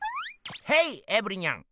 ヘイエブリニャン！